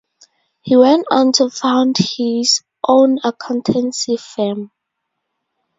He went on to found his own accountancy firm.